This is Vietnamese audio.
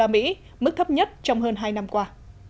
mức thấp nhất trong hơn hai năm qua